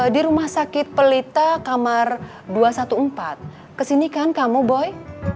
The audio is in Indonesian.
di rumah sakit pelita kamar dua ratus empat belas kesini kan kamu boy